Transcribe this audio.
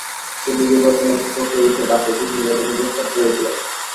তিনি বিবর্তনের একটি প্রক্রিয়া হিসেবে প্রাকৃতিক নির্বাচনের প্রস্তাব করেছিলেন।